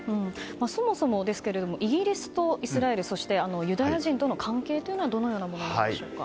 そもそもですけれどもイギリスとイスラエルそして、ユダヤ人との関係はどのようなものでしょうか。